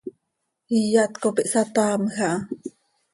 iyat cop ihsataamj aha.